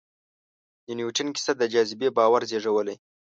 د نیوټن کیسه د جاذبې باور زېږولی.